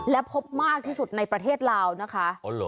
และพบมากที่สุดในประเทศลาวนะคะ